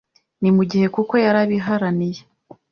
Ni mu gihe kuko yarabiharaniye